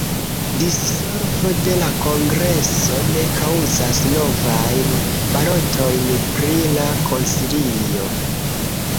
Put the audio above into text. Dissolvo de la Kongreso ne kaŭzas novajn balotojn pri la Konsilio.